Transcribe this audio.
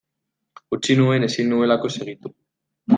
Utzi nuen ezin nuelako segitu.